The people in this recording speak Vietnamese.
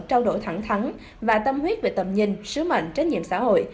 trao đổi thẳng thắng và tâm huyết về tầm nhìn sứ mệnh trách nhiệm xã hội